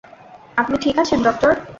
আপনি ঠিক আছেন ডক্টর?